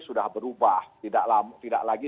sudah berubah tidak lagi